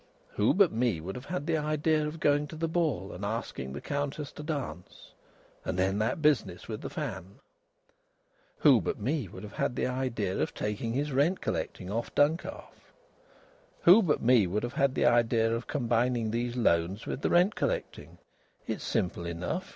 "Who but me would have had the idea of going to the ball and asking the Countess to dance?... And then that business with the fan!" "Who but me would have had the idea of taking his rent collecting off Duncalf?" "Who but me would have had the idea of combining these loans with the rent collecting? It's simple enough!